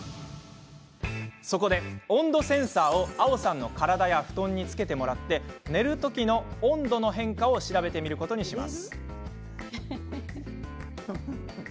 そこで温度センサーをあおさんの体や布団に付けてもらって寝る時の温度の変化を調べてみることにします。